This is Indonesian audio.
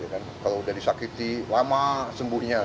kalau sudah disakiti lama sembuhnya